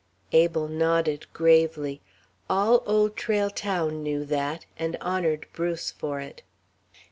Abel nodded gravely. All Old Trail Town knew that, and honoured Bruce for it.